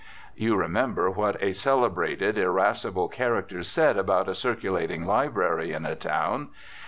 You remember what a celebrated irascible character said about a circulating library in a town.